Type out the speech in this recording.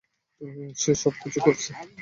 সেই সবকিছু করেছে।